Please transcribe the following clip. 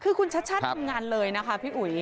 คือคุณชัชชาติทำงานเลยนะคะพี่อุ๋ย